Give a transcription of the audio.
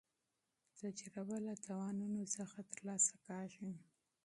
تجربه له تاوانونو څخه ترلاسه کېږي.